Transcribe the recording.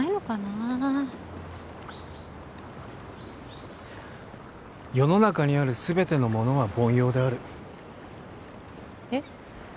あ世の中にある全てのものは凡庸であるえっ？